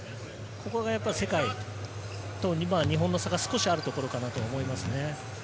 ここが世界と日本の差が少しあるところかなと思いますね。